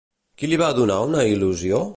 Qui li va donar una il·lusió?